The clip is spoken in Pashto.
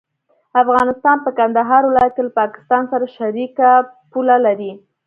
افغانستان په کندهار ولايت کې له پاکستان سره شریکه پوله لري.